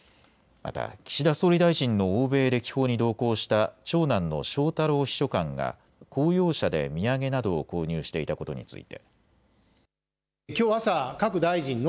また岸田総理大臣の欧米歴訪に同行した長男の翔太郎秘書官が公用車で土産などを購入していたことについて。